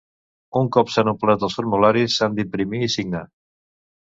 Un cop s'han omplert els formularis, s'han d'imprimir i signar.